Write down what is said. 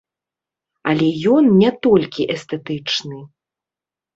Але ён не толькі эстэтычны.